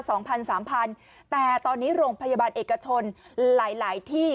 สองพันสามพันแต่ตอนนี้โรงพยาบาลเอกชนหลายหลายที่